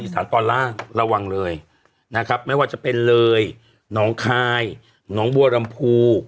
สถานตอนล่างระวังเลยนะครับไม่ว่าจะเป็นเลยน้องคายหนองบัวลำพู